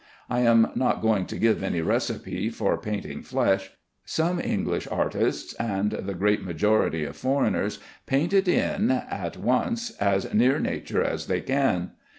I am not going to give any recipe for painting flesh; some English artists and the great majority of foreigners paint it in at once as near nature as they can.